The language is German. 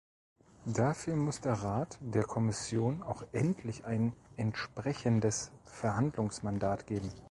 Dafür muss der Rat der Kommission auch endlich ein entsprechendes Verhandlungsmandat geben.